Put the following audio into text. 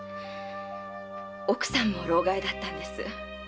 奥さんも労咳だったんです。